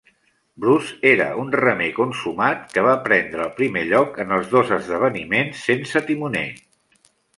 Bruce era un remer consumat que va prendre el primer lloc en els dos esdeveniments sense timoner.